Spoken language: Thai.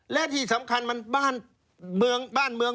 และที่สำคัญมันบ้านเมือง